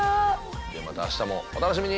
じゃあまた明日もお楽しみに！